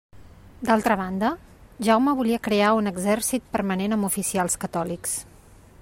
D'altra banda, Jaume volia crear un exèrcit permanent amb oficials catòlics.